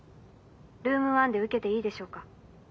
ルーム１で受けていいでしょうか？